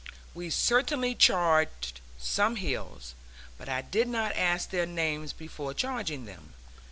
We certainly charged some hills; but I did not ask their names before charging them.